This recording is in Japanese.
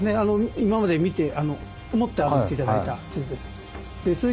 今まで見て持って歩いて頂いた地図です。